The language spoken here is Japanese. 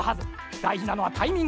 だいじなのはタイミング。